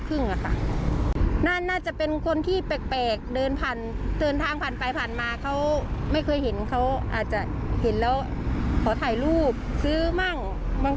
เราฟังพี่เขาเล่าครับ